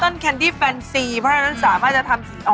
ก็ต้นแครนดี้แฟนซีเพราะว่านั้นสามารถจะทำสี